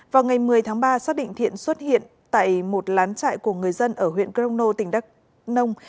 vào ngày một mươi tháng ba xác định thiện xuất hiện tại một lán trại của người dân ở huyện crono tỉnh đắk nông